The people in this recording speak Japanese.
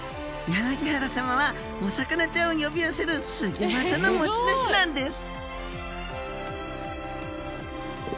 柳原様はお魚ちゃんを呼び寄せるすギョ技の持ち主なんです！